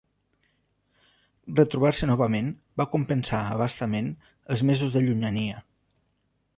Retrobar-se novament va compensar a bastament els mesos de llunyania.